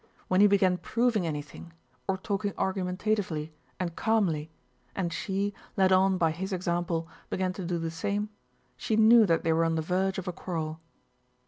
When he began proving anything, or talking argumentatively and calmly and she, led on by his example, began to do the same, she knew that they were on the verge of a quarrel.